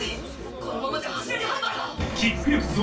このままじゃ柱に灰原が！